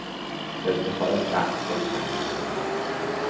ارتفاع سقف را کم کردن